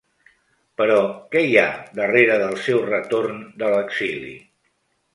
Però què hi ha darrere del seu retorn de l’exili?